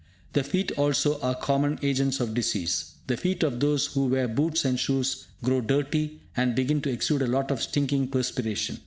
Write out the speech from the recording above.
The feet also are common agents of disease. The feet of those who wear boots and shoes grow dirty, and begin to exude a lot of stinking perspiration.